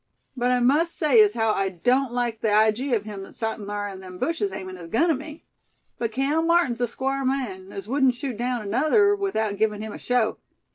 But I must say as haow I don't like the ijee o' him asettin' thar in them bushes, aimin' his gun at me. But Cale Martin's a squar man, as wudn't shoot daown another without givin' him a show.